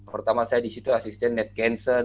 pertama saya di situ asisten ned gansen